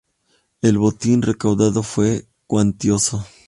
El botín recaudado fue cuantioso.